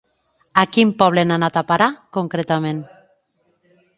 A quin poble han anat a parar, concretament?